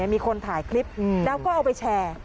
มีคนถ่ายคลิปแล้วก็เอาไปแชร์